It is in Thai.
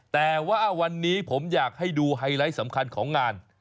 แต่ว่าวันนี้ผมอยากให้ดูไฮไลท์สำคัญของงาน